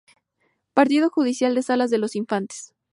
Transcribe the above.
Partido judicial de Salas de los Infantes.